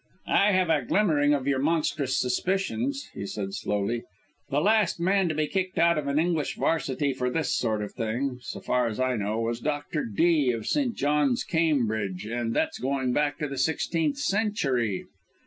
"I have a glimmering of your monstrous suspicions," he said slowly. "The last man to be kicked out of an English varsity for this sort of thing, so far as I know, was Dr. Dee of St. John's, Cambridge, and that's going back to the sixteenth century."